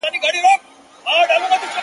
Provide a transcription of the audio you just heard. کومه ورځ به وي چي هر غم ته مو شاسي؛